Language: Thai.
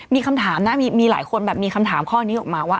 มีคำถามนะมีหลายคนแบบมีคำถามข้อนี้ออกมาว่า